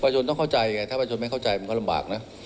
จนต้องเข้าใจไงถ้าประชนไม่เข้าใจมันก็ลำบากนะ